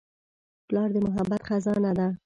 پلار د محبت خزانه ده.